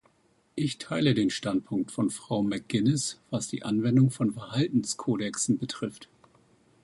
Ich teile den Standpunkt von Frau McGuinness, was die Anwendung von Verhaltenskodexen betrifft.